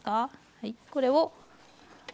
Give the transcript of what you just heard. はい。